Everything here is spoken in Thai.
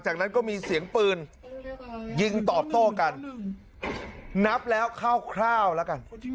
จากนั้นก็มีเสียงปืนยิงตอบโต้กันนับแล้วคร่าวแล้วกัน